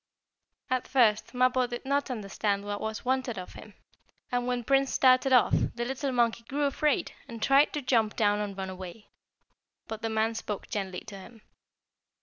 At first Mappo did not understand what was wanted of him, and when Prince started off, the little monkey grew afraid, and tried to jump down and run away. But the man spoke gently to him.